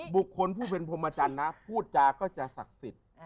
บุคคลผู้เป็นพรมจันทร์นะพูดจาก็จะศักดิ์สิทธิ์